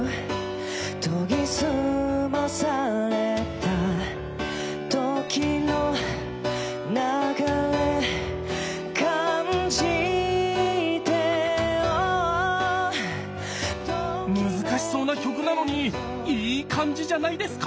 「とぎすまされた時の流れ感じて」「Ａｈ」難しそうな曲なのにイイ感じじゃないですか？